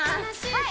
はい！